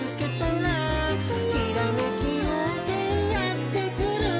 「ひらめきようせいやってくる」